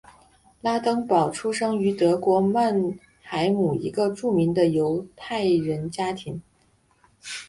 拉登堡出生于德国曼海姆一个著名的犹太人家庭。